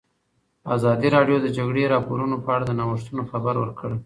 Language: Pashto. ازادي راډیو د د جګړې راپورونه په اړه د نوښتونو خبر ورکړی.